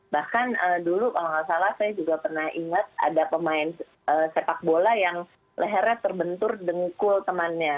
bahkan dulu kalau nggak salah saya juga pernah ingat ada pemain sepak bola yang lehernya terbentur dengkul temannya